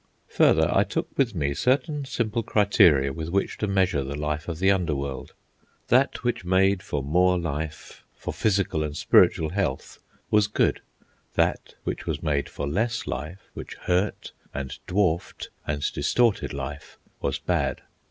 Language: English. Further, I took with me certain simple criteria with which to measure the life of the under world. That which made for more life, for physical and spiritual health, was good; that which made for less life, which hurt, and dwarfed, and distorted life, was bad.